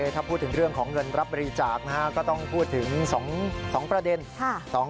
ถ้าพูดถึงเรื่องของเงินรับบริจาคก็ต้องพูดถึง๒ประเด็น